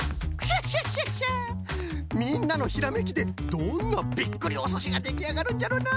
みんなのひらめきでどんなびっくりおすしができあがるんじゃろうな。